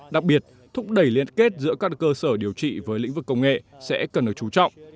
đặc biệt thúc đẩy liên kết giữa các cơ sở điều trị với lĩnh vực công nghệ sẽ cần được chú trọng